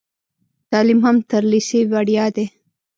تعلیم هم تر لیسې وړیا دی.